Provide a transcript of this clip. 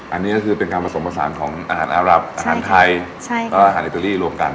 อันนี้ก็คือเป็นการผสมผสานของอาหารอารับอาหารไทยแล้วก็อาหารอิตาลีรวมกัน